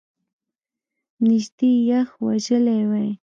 نژدې یخ وژلی وای !